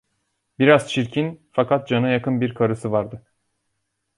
Biraz çirkin, fakat cana yakın bir karısı vardı.